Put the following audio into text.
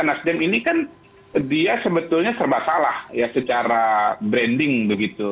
nasdem ini kan dia sebetulnya serba salah ya secara branding begitu